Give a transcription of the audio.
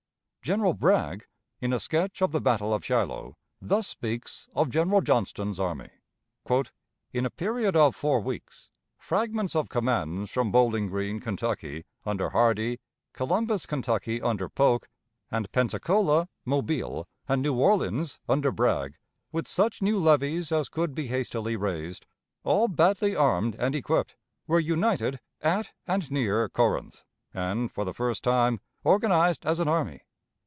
General Bragg, in a sketch of the battle of Shiloh, thus speaks of General Johnston's army: [Picture of General Braxton Bragg] "In a period of four weeks, fragments of commands from Bowling Green, Kentucky, under Hardee; Columbus, Kentucky, under Polk; and Pensacola, Mobile, and New Orleans, under Bragg, with such new levies as could be hastily raised, all badly armed and equipped, were united at and near Corinth, and, for the first time, organised as an army.